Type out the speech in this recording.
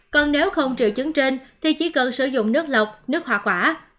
còn nếu không triệu chứng trên thì chỉ cần sử dụng nước lọc nước hoa quả